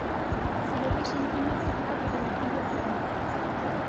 C’est le régime inacceptable de la double peine